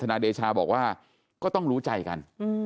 นายเดชาบอกว่าก็ต้องรู้ใจกัน